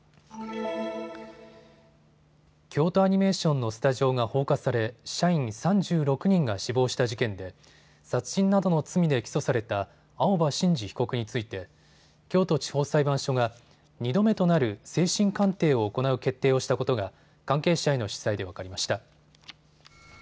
京都アニメーションのスタジオが放火され社員３６人が死亡した事件で殺人などの罪で起訴された青葉真司被告について京都地方裁判所が２度目となる精神鑑定を行う決定をしたことが関係者への取材で分かりました。